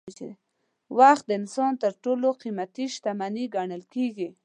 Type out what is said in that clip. وخت د انسان تر ټولو قیمتي شتمني ګڼل کېږي.